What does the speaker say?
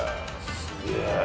すげえ。